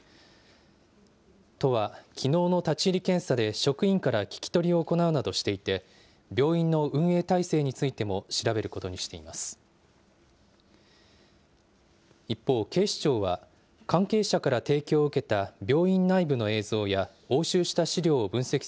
都は、きのうの立ち入り検査で職員から聞き取りを行うなどしていて、病院の運営体制についても調べることにしています。